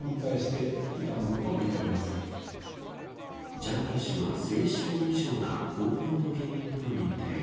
ジャニー氏の性嗜好異常が根本の原因と認定。